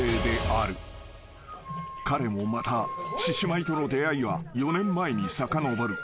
［彼もまた獅子舞との出会いは４年前にさかのぼる］